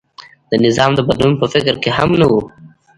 د نظام د بدلون په فکر کې هم نه و.